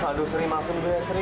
aduh seri maafin gue seri